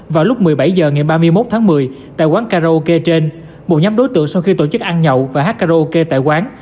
vào lúc một mươi bảy h ngày ba mươi một tháng một mươi tại quán karaoke trên một nhóm đối tượng sau khi tổ chức ăn nhậu và hát karaoke tại quán